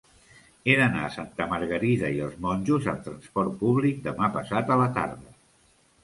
He d'anar a Santa Margarida i els Monjos amb trasport públic demà passat a la tarda.